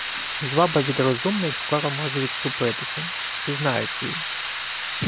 Зваба від розумних скоро може відступитися: пізнають її.